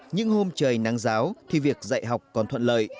những hôm trời nắng giáo thì việc dạy học còn thuận lợi